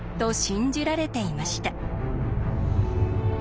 信じられていました。